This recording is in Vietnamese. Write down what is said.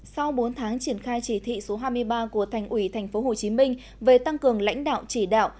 sau bốn tháng triển khai chỉ thị số hai mươi ba của thành ủy tp hcm về tăng cường lãnh đạo chỉ đạo